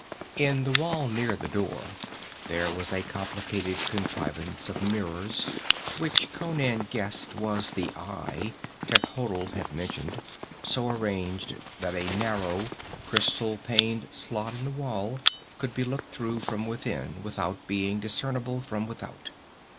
In the wall near the door there was a complicated contrivance of mirrors which Conan guessed was the Eye Techotl had mentioned, so arranged that a narrow, crystal paned slot in the wall could be looked through from within without being discernible from without.